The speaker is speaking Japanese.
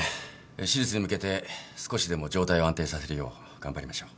手術に向けて少しでも状態を安定させるよう頑張りましょう。